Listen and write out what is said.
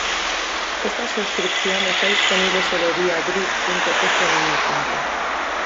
Esta suscripción está disponible solo vía drip.fm.